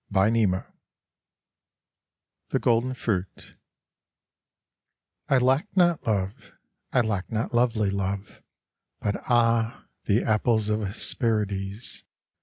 XVI The Golden Fruit I lacked not Love, I lacked not lovely Love, But, ah, the apples of Hesperides!